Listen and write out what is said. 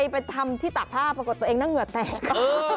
ไปทำที่ตากผ้าปรากฏตัวเองหน้าเหงื่อแตก